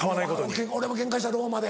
俺もケンカしたローマで。